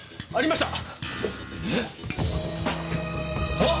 あっ！